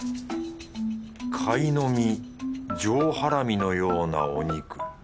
カイノミ上ハラミのようなお肉。